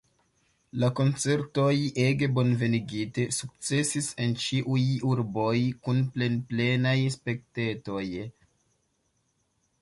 La koncertoj, ege bonvenigite, sukcesis en ĉiuj urboj kun plenplenaj spektejoj.